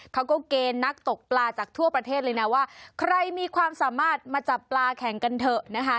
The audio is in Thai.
เขาก็เกณฑ์นักตกปลาจากทั่วประเทศเลยนะว่าใครมีความสามารถมาจับปลาแข่งกันเถอะนะคะ